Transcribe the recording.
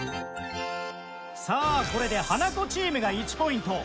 さあこれでハナコチームが１ポイント